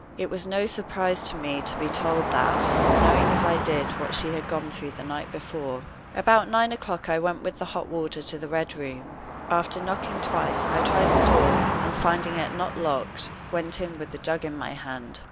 It was no surprise to me to be told that, knowing as I did what she had gone through the night before. About nine o'clock I went with the hot water to the Red Room. After knocking twice I tried the door, and, finding it not locked, went in with the jug in my hand.